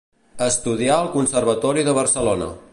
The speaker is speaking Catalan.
Estudià al conservatori de Barcelona.